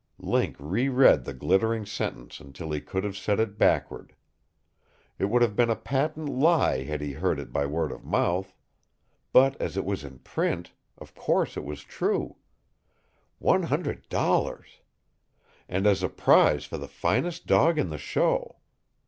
Link reread the glittering sentence until he could have said it backward. It would have been a patent lie had he heard it by word of mouth. But as it was in print, of course it was true. One hundred dollars! And as a prize for the finest dog in the show.